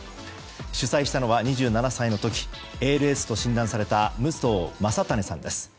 主催したのは２７歳の時、ＡＬＳと診断された武藤将胤さんです。